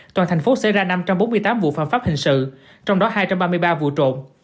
toàn thành phố xảy ra năm trăm bốn mươi tám vụ phạm pháp hình sự trong đó hai trăm ba mươi ba vụ trộm